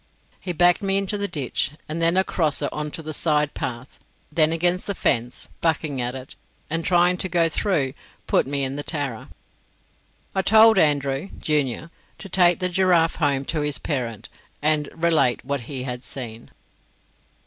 He backed me into the ditch, and then across it on to the side path, then against the fence, bucking at it, and trying to go through and put me in the Tarra. I told Andrew, junior, to take the giraffe home to his parent, and relate what he had seen.